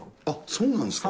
そうなんですか？